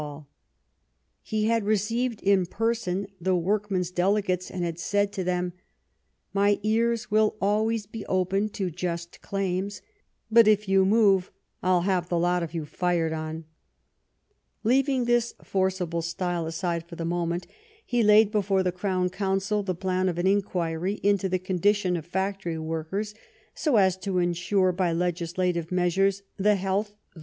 wi Labour jjg h^d received in person the work men's delegates and had said to them :" My ears will always be open to just claims ; but, if you move, I'll have the lot of you fired on," Leaving this forcible style aside for the moment, he laid before the Crown Council the plan of an inquiry into the condition of factory workers so as " to ensure by legislative measures the health, the